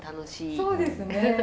そうですね。